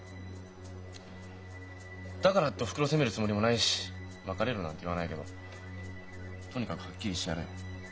だからっておふくろ責めるつもりもないし「別れろ」なんて言わないけどとにかくはっきりしてやれよ。